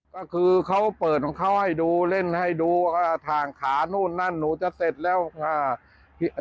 ก็คือเขาเปิดของเขาให้ดูเล่นให้ดูว่าทางขานู่นนั่นหนูจะเสร็จแล้วค่ะ